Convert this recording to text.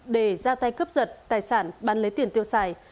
để ra tay cấp dật tài sản bán lấy tiền tiêu xài